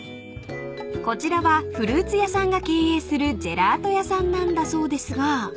［こちらはフルーツ屋さんが経営するジェラート屋さんなんだそうですが］